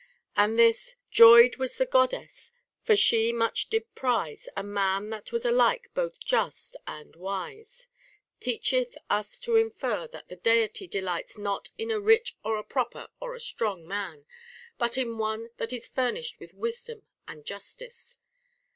And this, Joyed was the Goddess, for she much did prize A man that was alike both just and wise, teacheth us to infer that the Deity delights not in a rich or a proper or a strong man, but in one that is furnished with wisdom and justice.